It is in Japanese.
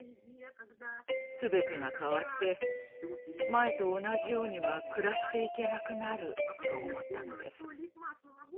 すべてが変わって前と同じようには暮らしていけなくなる」と思ったのです。